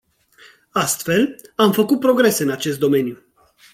Astfel, am făcut progrese în acest domeniu.